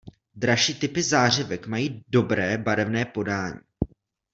Dražší typy zářivek mají dobré barevné podání.